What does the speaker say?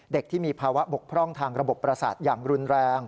ที่มีภาวะบกพร่องทางระบบประสาทอย่างรุนแรง